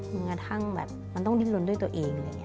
มันกระทั่งแบบมันต้องดิ้นลนด้วยตัวเอง